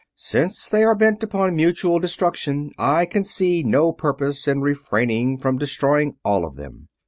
"Since they are bent upon mutual destruction I can see no purpose in refraining from destroying all of them.